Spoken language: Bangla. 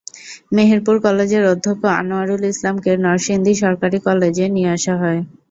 মেহেরপুর কলেজের অধ্যক্ষ আনোয়ারুল ইসলামকে নরসিংদী সরকারি কলেজে নিয়ে আসা হয়।